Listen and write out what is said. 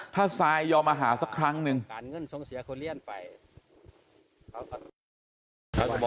ถ้าสายยอมมาหาสักครั้งหนึ่ง